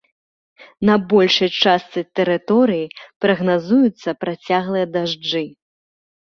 На большай частцы тэрыторыі прагназуюцца працяглыя дажджы.